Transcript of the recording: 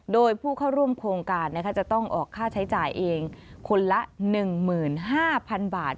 โดยผู้เข้าร่วมโครงการจะต้องออกค่าใช้จ่ายเองคนละ๑๕๐๐๐บาท